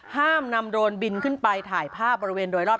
ห้ามนำโรนบินขึ้นไปถ่ายภาพบริเวณโดยรอบ